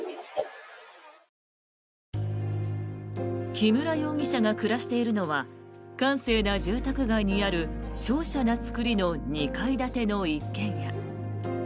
木村容疑者が暮らしているのは閑静な住宅街にあるしょうしゃな造りの２階建ての一軒家。